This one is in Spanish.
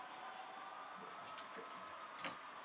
La capital del distrito recae sobre la ciudad de Bautzen.